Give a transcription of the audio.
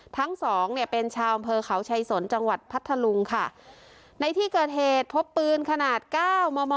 ทั้งสองเนี่ยเป็นชาวอำเภอเขาชัยสนจังหวัดพัทธลุงค่ะในที่เกิดเหตุพบปืนขนาดเก้ามอมอ